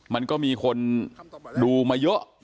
มันก็มีคนดูมาเยอะ